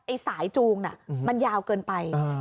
ไอ้สายจูงน่ะมันยาวเกินไปอ่า